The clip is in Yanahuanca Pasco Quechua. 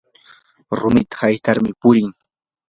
rumita haytarmi purin